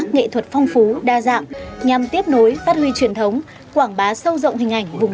nghệ thuật phong phú đa dạng nhằm tiếp nối phát huy truyền thống quảng bá sâu rộng hình ảnh vùng